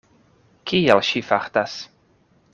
Kiel ŝi fartas?